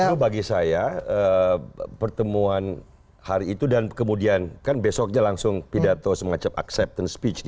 karena bagi saya pertemuan hari itu dan kemudian kan besoknya langsung pidato semacam acceptance speech